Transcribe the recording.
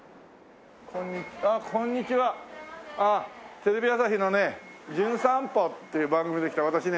テレビ朝日のね『じゅん散歩』っていう番組で来た私ね